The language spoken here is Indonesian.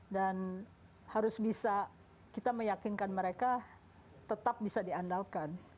dan harus bisa kita meyakinkan mereka tetap bisa diandalkan